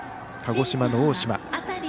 鹿児島の大島。